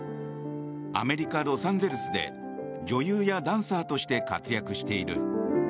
アメリカ・ロサンゼルスで女優やダンサーとして活躍している。